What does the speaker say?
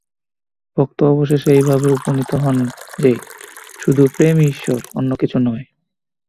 ভক্ত অবশেষে এইভাবে উপনীত হন যে, শুধু প্রেমই ঈশ্বর, অন্য কিছু নয়।